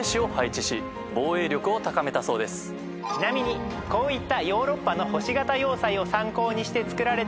ちなみにこういった。